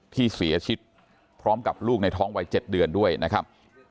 ที่เสียชีวิตพร้อมกับลูกในท้องวัย๗เดือนด้วยนะครับ